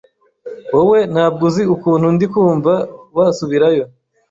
wowe ntabwo uzi ukuntu ndi kumva wasubirayo